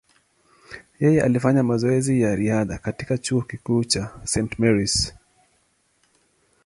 Yeye alifanya mazoezi ya riadha katika chuo kikuu cha St. Mary’s.